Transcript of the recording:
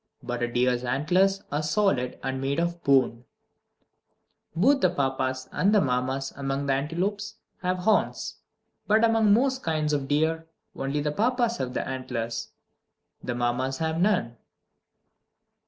But a deer's antlers are solid, and made of bone. 2. Both the Papas and the Mammas among antelopes have horns. But among most kinds of deer, only the Papas have the antlers; the Mammas have none.